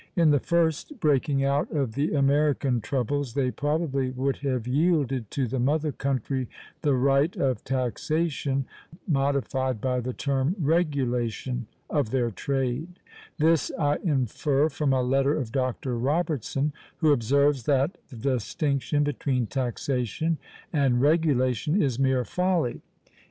In the first breaking out of the American troubles, they probably would have yielded to the mother country the right of taxation, modified by the term regulation (of their trade); this I infer from a letter of Dr. Robertson, who observes, that "the distinction between taxation and regulation is mere folly!"